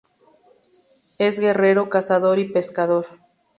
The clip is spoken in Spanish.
Es guerrero, cazador y pescador.